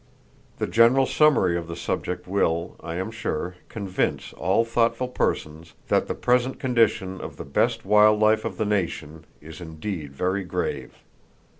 The general summary of the subject will, I am sure, convince all thoughtful persons that the present condition of the best wild life of the nation is indeed very grave.